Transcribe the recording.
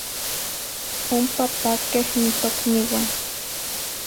Ompa paqueh n tocniuah.